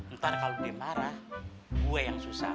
ntar kalau dia marah gue yang susah